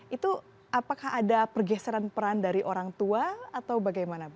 itu apakah ada pergeseran peran dari orang tua atau bagaimana